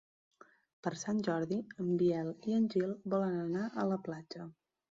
Per Sant Jordi en Biel i en Gil volen anar a la platja.